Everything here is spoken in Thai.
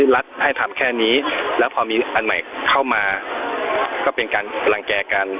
รัฐให้ทำแค่นี้แล้วพอมีอันใหม่เข้ามาก็เป็นการรังแก่กัน